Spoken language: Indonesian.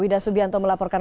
wida subianto melaporkan